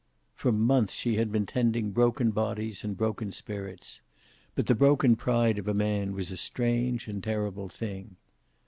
For months she had been tending broken bodies and broken spirits. But the broken pride of a man was a strange and terrible thing.